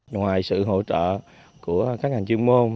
ngoài sự hỗ trợ của các ngành chuyên môn